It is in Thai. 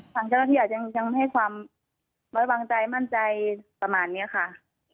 ทางเจ้าที่หาดยังให้ความบริวัติบังใจมั่นใจประมาณนี้ค่ะ